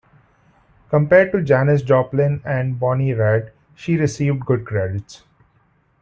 Compared to Janis Joplin and Bonnie Raitt she received good credits.